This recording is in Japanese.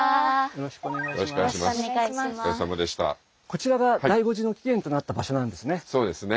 こちらが醍醐寺の起源となった場所なんですね。